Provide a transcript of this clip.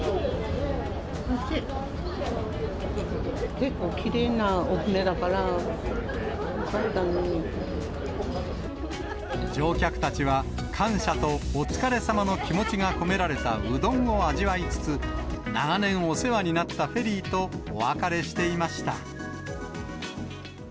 結構きれいなお船だから、乗客たちは、感謝とお疲れさまの気持ちが込められたうどんを味わいつつ、長年お世話になったフェリーとお別れしていました。